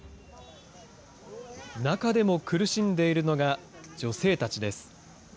中でも苦しんでいるのが女性たちです。